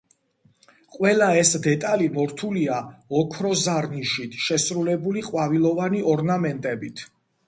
ყველა ეს დეტალი მორთულია ოქროზარნიშით შესრულებული ყვავილოვანი ორნამენტებით.